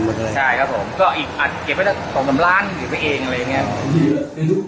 อีกไปเองอะไรอย่างเงี้ย